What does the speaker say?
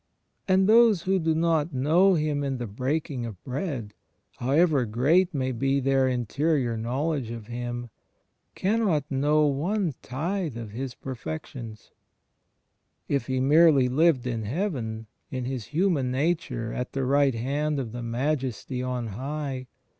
And those who do not "know Him in the breaking of bread," * however great may be their in terior knowledge of Him, cannot know one tithe of His perfections. If He merely lived in Heaven, in His Human Nature at the right hand of the Majesty on high.